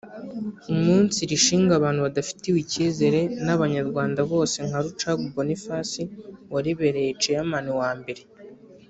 umunsi irishinga abantu badafitiwe ikizere n’abanyarwanda bose nka Rucagu Boniface waribereye Chaiman wa mbere